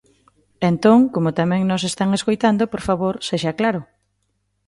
Entón, como tamén nos están escoitando, por favor, sexa claro.